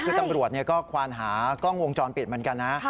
คือตำรวจก็ควานหากล้องวงจรปิดเหมือนกันนะ